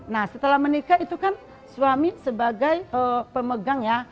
nah setelah menikah itu kan suami sebagai pemegang ya